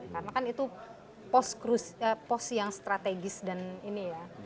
karena kan itu pos yang strategis dan ini ya